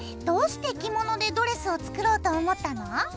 どうして着物でドレスを作ろうと思ったの？